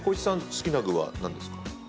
好きな具は何ですか？